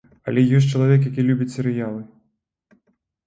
Але ёсць чалавек, які любіць серыялы.